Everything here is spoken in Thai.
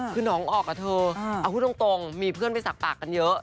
คือน้องออกอะเธอเอาพูดตรงมีเพื่อนไปสักปากกันเยอะ